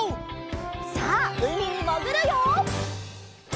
さあうみにもぐるよ！